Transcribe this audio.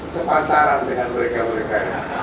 sepantaran dengan mereka mereka